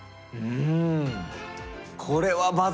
うん。